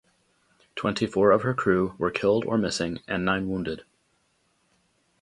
Twenty-four of her crew were killed or missing and nine wounded.